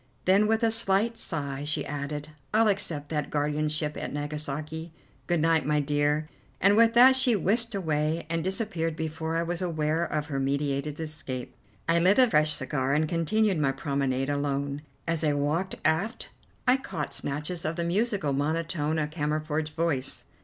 Then with a slight sigh she added, "I'll accept that guardianship at Nagasaki. Good night, my dear," and with that she whisked away and disappeared before I was aware of her meditated escape. I lit a fresh cigar and continued my promenade alone. As I walked aft I caught snatches of the musical monotone of Cammerford's voice.